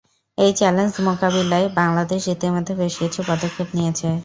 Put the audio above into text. এই চ্যালেঞ্জ মোকাবিলায় বাংলাদেশ ইতোমধ্যে বেশ কিছু পদক্ষেপ নিয়েছে।